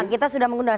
kita sudah mengundang